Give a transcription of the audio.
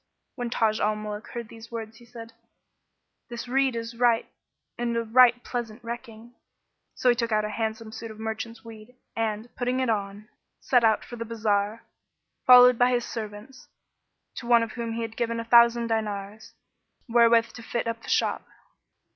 When Taj al Muluk heard these words, he said, 'This rede is right and a right pleasant recking." So he took out a handsome suit of merchant's weed, and, putting it on, set out for the bazar, followed by his servants, to one of whom he had given a thousand dinars, wherewith to fit up the shop.